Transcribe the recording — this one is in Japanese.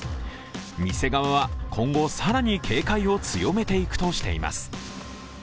店側は今後、更に警戒を強めていくとしています。